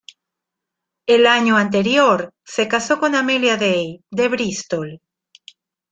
El año anterior, se casó con Amelia Day, de Bristol.